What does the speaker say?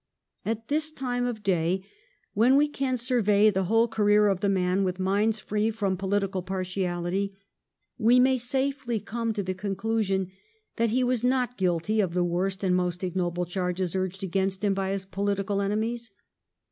At this time of day when we can survey the whole career of the man with minds free from political partiality we may safely come to the conclusion that he was not guilty of the worst and most ignoble charges urged against him by his political enemies.